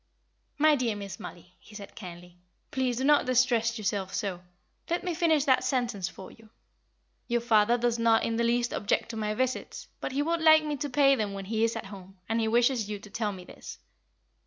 "My dear Miss Mollie," he said, kindly, "please do not distress yourself so. Let me finish that sentence for you. Your father does not in the least object to my visits, but he would like me to pay them when he is at home, and he wishes you to tell me this."